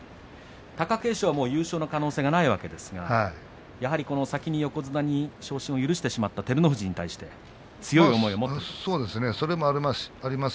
貴景勝はもう優勝の可能性はないわけですが先に横綱に昇進を許してしまった照ノ富士に対して強い思いを持っています。